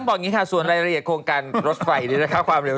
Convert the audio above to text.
มีเอาไหนปวาระ